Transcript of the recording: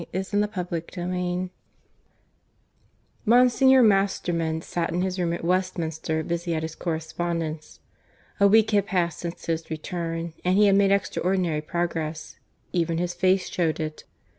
PART II CHAPTER I (I) Monsignor Masterman sat in his room at Westminster, busy at his correspondence. A week had passed since his return, and he had made extraordinary progress. Even his face showed it.